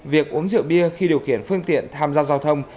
việc uống rượu bia khi điều khiển phương tiện tham gia giao thông